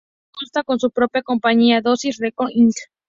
El artista ya consta con su propia compañía, Dosis Records Inc.